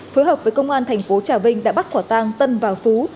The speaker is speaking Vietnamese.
phối hợp với công an thành phố trà vinh đã bắt quả tang tân và phú